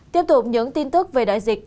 tiếp tục những tin tức về đại dịch